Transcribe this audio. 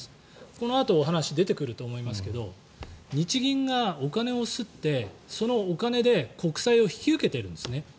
このあとお話出てくると思いますが日銀がお金を刷ってそのお金で国債を引き受けてるんですね。